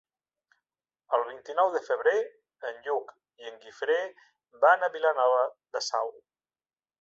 El vint-i-nou de febrer en Lluc i en Guifré van a Vilanova de Sau.